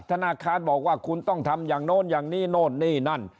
ธนาคารบอกว่าคุณต้องทำอย่างโน้นอย่างนี้โน่นนี่นั่น